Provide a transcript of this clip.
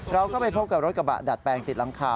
เราก็ไปพบกับรถกระบะดัดแปลงติดหลังคา